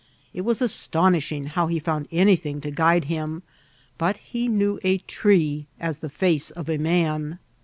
It was astonishing how he found anything to guide him, but he knew a tree as the face of a man.